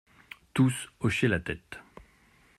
Tous hochaient la tête.